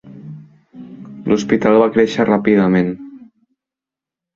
L'hospital va créixer ràpidament.